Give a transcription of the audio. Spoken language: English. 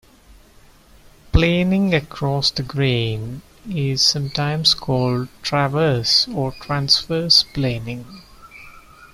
Planing across the grain is sometimes called "traverse" or "transverse" planing.